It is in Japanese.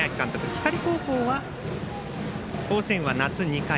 光高校は甲子園は夏２回。